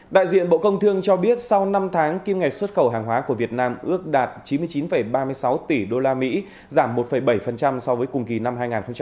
đại diện bộ công thương cho biết sau năm tháng kim ngạch xuất khẩu hàng hóa của việt nam ước đạt chín mươi chín ba mươi sáu tỷ usd giảm một bảy so với cùng kỳ năm hai nghìn hai mươi ba